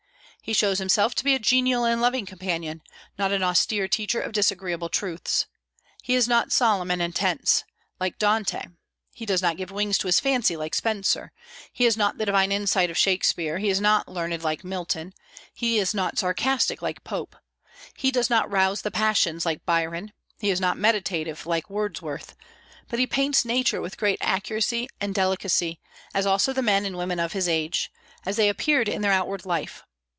He shows himself to be a genial and loving companion, not an austere teacher of disagreeable truths. He is not solemn and intense, like Dante; he does not give wings to his fancy, like Spenser; he has not the divine insight of Shakspeare; he is not learned, like Milton; he is not sarcastic, like Pope; he does not rouse the passions, like Byron; he is not meditative, like Wordsworth, but he paints nature with great accuracy and delicacy, as also the men and women of his age, as they appeared in their outward life.